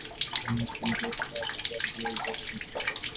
Oxygen কমার সাথে-সাথেই, শারীরিক ক্লান্তির ফলে অবস্থা আরো খারাপ দিকে এগাবে।